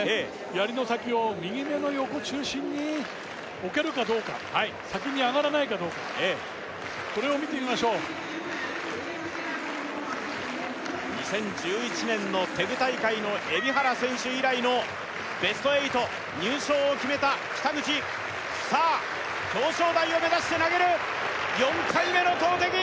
やりの先を右目の横中心に置けるかどうか先に上がらないかどうかこれを見てみましょう２０１１年のテグ大会の海老原選手以来のベスト８入賞を決めた北口さあ表彰台を目指して投げる４回目の投てき！